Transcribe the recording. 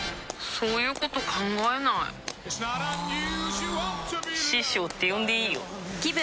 そういうこと考えないあ師匠って呼んでいいよぷ